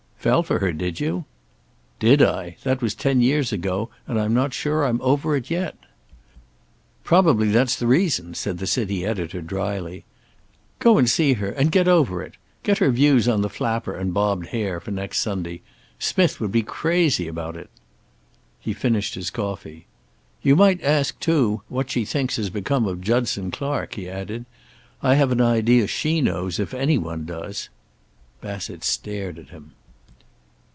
"Fell for her, did you?" "Did I? That was ten years ago, and I'm not sure I'm over it yet." "Probably that's the reason," said the city editor, drily. "Go and see her, and get over it. Get her views on the flapper and bobbed hair, for next Sunday. Smith would be crazy about it." He finished his coffee. "You might ask, too, what she thinks has become of Judson Clark," he added. "I have an idea she knows, if any one does." Bassett stared at him.